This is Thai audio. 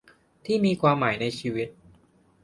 ที่มีความหมายในชีวิต